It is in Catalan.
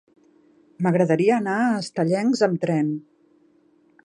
M'agradaria anar a Estellencs amb tren.